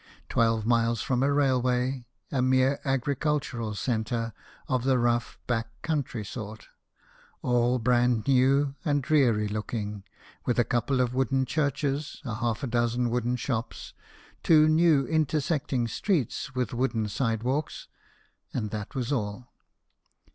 Twelve miles from a railway, a mere agricul tural centre, of the rough back country sort, all brand new and dreary looking, with a couple of wooden churches, half a dozen wooden shops, two new intersecting streets with wooden side walks, and that was all.